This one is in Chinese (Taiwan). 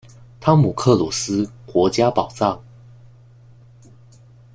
湯姆克魯斯國家寶藏